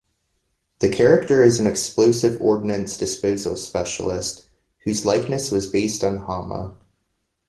The character is an explosive ordnance disposal specialist, whose likeness was based on Hama.